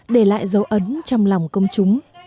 để lại dấu ấn trong lòng công chúng